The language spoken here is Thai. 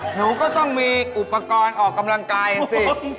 หนูก็ต้องมีอุปกรณ์ออกกำลังกายสิ